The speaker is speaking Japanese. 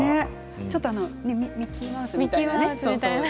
ちょっとミッキーマウスみたい。